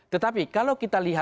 tetapi kalau kita lihat